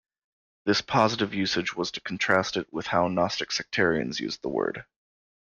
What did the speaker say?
This positive usage was to contrast it with how gnostic sectarians used the word.